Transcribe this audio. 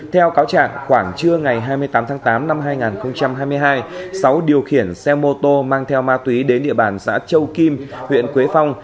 theo cáo trạng khoảng trưa ngày hai mươi tám tháng tám năm hai nghìn hai mươi hai sáu điều khiển xe mô tô mang theo ma túy đến địa bàn xã châu kim huyện quế phong